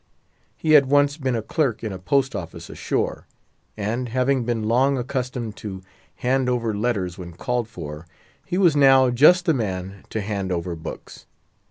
He had once been a clerk in a post office ashore; and, having been long accustomed to hand over letters when called for, he was now just the man to hand over books.